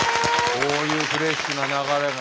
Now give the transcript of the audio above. こういうフレッシュな流れが。